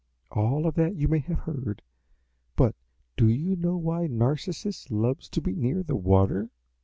All that you may have heard, but do you know why Narcissus loves to be near the water?"